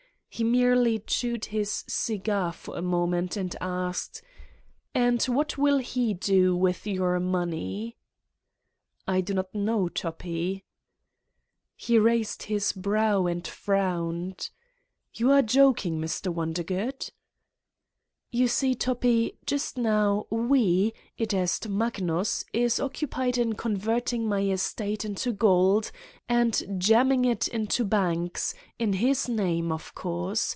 He merely chewed his cigar for a moment and asked : 157 Satan's Diary "And what will he do with your money V 9 "I do not know, Toppi." He raised his brow and frowned : "You are joking, Mr. Wondergood?" "You see, Toppi: just now we, i.e., Magnus is occupied in converting my estate into gold and jamming it into banks, in his name, of course.